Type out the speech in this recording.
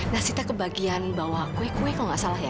nah sita kebagian bawa kue kue kalau gak salah ya